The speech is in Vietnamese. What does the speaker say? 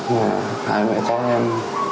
hai mẹ con em